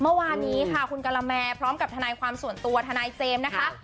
เมื่อวานนี้ค่ะคุณกะละแมพร้อมกับทนายความส่วนตัวทนายเจมส์นะคะ